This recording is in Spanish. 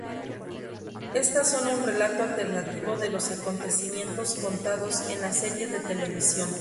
Estas son un relato alternativo de los acontecimientos contados en la serie de televisión.